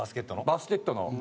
バスケットの。